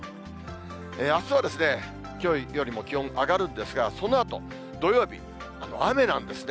あすはきょうよりも気温上がるんですが、そのあと土曜日、雨なんですね。